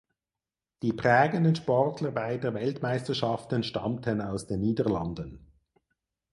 Die prägenden Sportler beider Weltmeisterschaften stammten aus den Niederlanden.